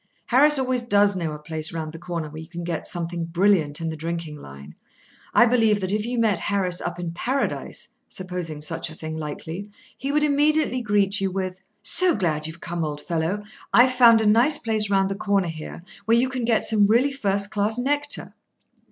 Harris always does know a place round the corner where you can get something brilliant in the drinking line. I believe that if you met Harris up in Paradise (supposing such a thing likely), he would immediately greet you with: "So glad you've come, old fellow; I've found a nice place round the corner here, where you can get some really first class nectar."